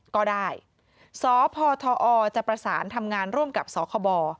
ก็ได้สพทอจะประสานทำงานร่วมกับสคบ